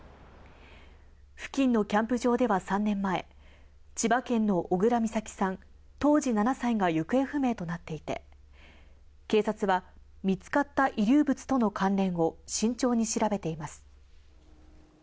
付近のキャンプ場では３年前、千葉県の小倉美咲さん当時７歳が行方不明となっていて、警察は見つかった遺留物との関連を慎重に調べています。